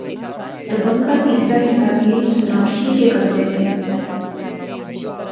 دبنگ کا تیسرا حصہ بھی سوناکشی کے قبضے میں